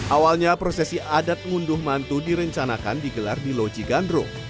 awalnya prosesi adat ngunduh mantu direncanakan digelar di loji gandrung